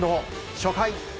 初回。